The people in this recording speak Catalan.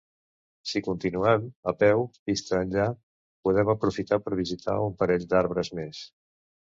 Si continuem, a peu, pista enllà, podem aprofitar per visitar un parell d'arbres més.